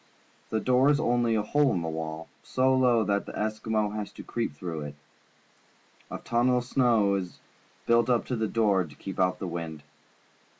The door is only a hole in the wall, so low that the Eskimo has to creep through it. A tunnel of snow is built up to the door to keep out the wind.